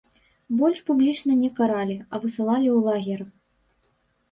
Больш публічна не каралі, а высылалі ў лагеры.